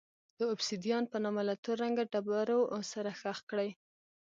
د اوبسیدیان په نامه له تور رنګه ډبرو سره ښخ کړي.